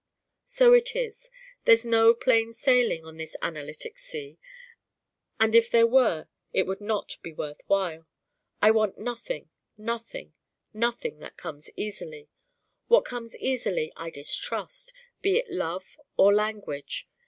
So it is. There's no plain sailing on this analytic sea. And if there were it would be not worth while. I want nothing, nothing, nothing that comes easily. What comes easily I distrust, be it love or language.